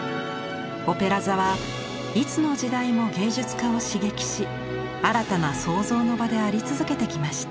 オペラ座はいつの時代も芸術家を刺激し新たな創造の場であり続けてきました。